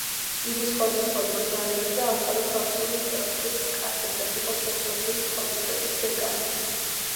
იგი სხვადასხვა დროს განაგებდა ახალი ქართული ლიტერატურის კათედრას, იყო ფილოსოფიის ფაკულტეტის დეკანი.